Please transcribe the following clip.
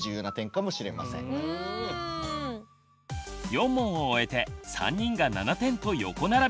４問を終えて３人が７点と横並び！